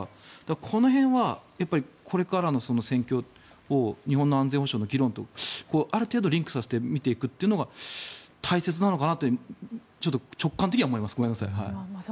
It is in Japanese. この辺はこれからの戦況を日本の安全保障の議論とある程度、リンクさせていくのが大事なのかなとちょっと直感的は思います。